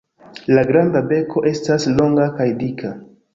La granda beko estas longa kaj dika.